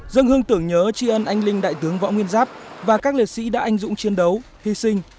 dâng hương tưởng nhớ tri ân anh linh đại tướng võ nguyên giáp và các liệt sĩ đã anh dũng chiến đấu hy sinh